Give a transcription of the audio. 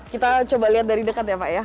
kita coba lihat dari dekat ya pak ya